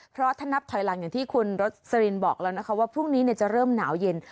เพราะถ้านับถอยหลังอย่างที่คุณรสลินบอกแล้วนะคะว่าพรุ่งนี้จะเริ่มหนาวเย็น